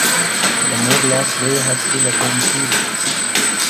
د مور لاس لویه هستي لټوم ، چېرې؟